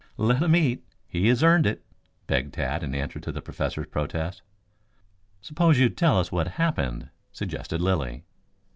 "Let him eat. He has earned it," begged Tad in answer to the Professor's protest. "Suppose you tell us what happened," suggested Lilly.